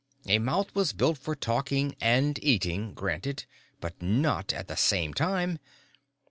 A mouth was built for talking and eating, granted but not at the same time.